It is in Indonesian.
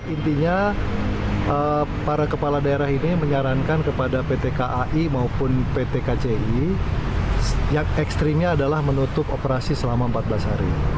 intinya para kepala daerah ini menyarankan kepada pt kai maupun pt kci yang ekstrimnya adalah menutup operasi selama empat belas hari